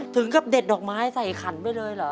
ถึงกับเด็ดดอกไม้ใส่ขันไปเลยเหรอ